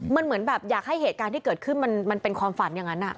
มันเหมือนแบบอยากให้เหตุการณ์ที่เกิดขึ้นมันเป็นความฝันอย่างนั้น